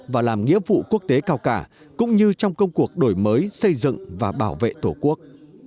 và làm nghĩa vụ quốc tế cao cả cũng như trong công cuộc đổi mới xây dựng và bảo vệ tổ quốc